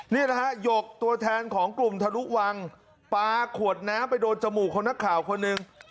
นี่นะฮะหยกตัวแทนของกลุ่มทะลุขวัง